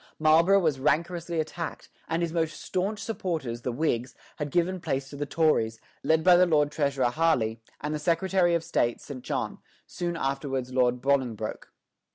Marlborough was rancorously attacked, and his most stanch supporters the Whigs had given place to the Tories, led by the Lord Treasurer Harley, and the Secretary of State St. John, soon afterwards Lord Bolingbroke.